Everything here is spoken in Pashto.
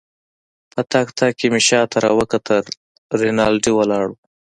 په تګ تګ کې مې شاته راوکتل، رینالډي ولاړ وو.